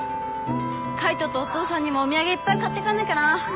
海斗とお父さんにもお土産いっぱい買ってかなきゃな。